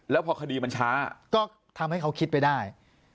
แล้วพอคดีมันช้าก็ทำให้เขาคิดไปได้